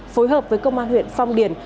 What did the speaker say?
phối hợp với công an huyện phong điền